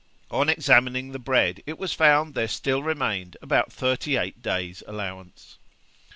On examining the bread, it was found there still remained about thirty eight days' allowance.